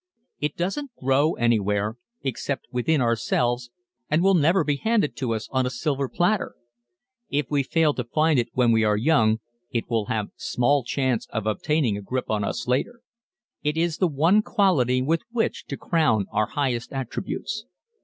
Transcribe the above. It doesn't grow anywhere except within ourselves and will never be handed to us on a silver platter. If we fail to find it when we are young it will have small chance of obtaining a grip on us later. _It is the one quality with which to crown our highest attributes.